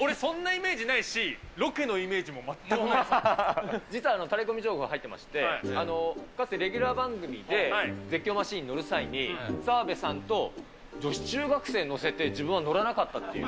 俺そんなイメージないし、実はたれこみ情報が入ってまして、かつてレギュラー番組で絶叫マシン乗る際に、澤部さんと女子中学生を乗せて自分は乗らなかったっていう。